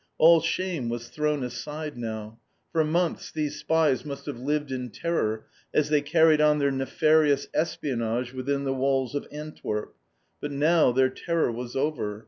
All shame was thrown aside now. For months these spies must have lived in terror as they carried on their nefarious espionage within the walls of Antwerp. But now their terror was over.